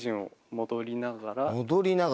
戻りながら。